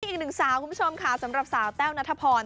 อีกหนึ่งสาวคุณผู้ชมค่ะสำหรับสาวแต้วนัทพร